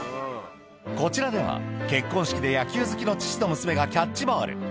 こちらでは結婚式で野球好きの父と娘がキャッチボール